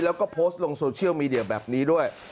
แล้วก็โพสต์ลงโซเชียลมีเดียแบบนี้ด้วย